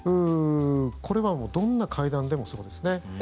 これはどんな会談でもそうですね。